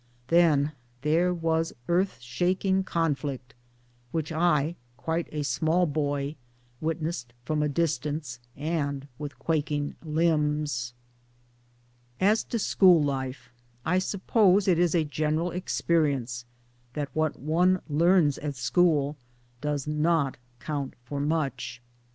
Then there was earth shaking conflict, which I, quite a small boy, witnessed from a distance, and with quaking limbs. As to school life, I suppose it is a general ex perience that what one learns at school does not count for much.